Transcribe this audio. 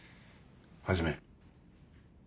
始め。